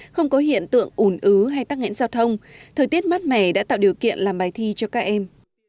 không có hiện tượng ủn ứ hay tắc nghẽn giao thông thời tiết mát mẻ đã tạo điều kiện làm bài thi cho các em